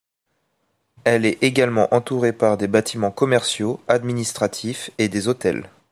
Elle est également entourée par des bâtiments commerciaux, administratifs et des hôtels.